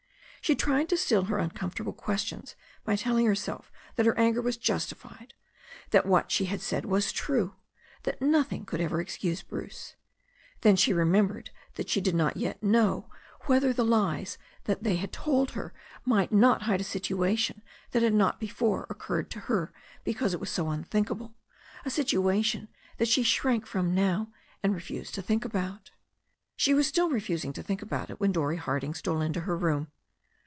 She tried to still her uncomfort able questions by telling herself that her anger was justified, that what she had said was true, that nothing could ever excuse Bruce. Then she remembered that she did not yet know whether the lies that they had told her might not hide a situation that had not before occurred to her because THE STORY OF A NEW ZEALAND RIVER 103 it was so unthinkable — a situation that she shrank from now, and refused to think about. She was still refusing to think about it when Dorrie Harding stole into her room.